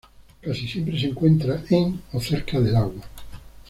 Casi siempre se encuentra en o cerca del agua.